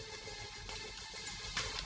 mau jadi kayak gini sih salah buat apa